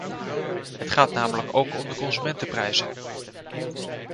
Het gaat namelijk ook om de consumentenprijzen.